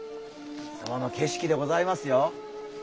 いつもの景色でございますよ。